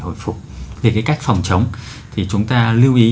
hồi phục về cái cách phòng chống thì chúng ta lưu ý